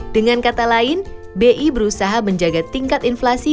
dengan kata lain bi berusaha menjaga tingkat inflasi